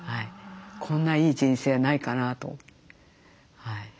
こんないい人生はないかなと。